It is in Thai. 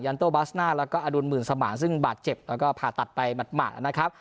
โตบาสน่าแล้วก็อดุลหมื่นสมานซึ่งบาดเจ็บแล้วก็ผ่าตัดไปหมาดนะครับ